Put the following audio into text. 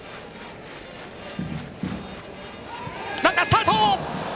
ランナースタート。